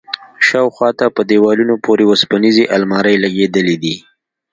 شاوخوا ته په دېوالونو پورې وسپنيزې المارۍ لگېدلي دي.